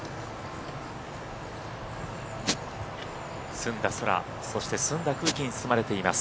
澄んだ空、そして澄んだ空気に包まれています。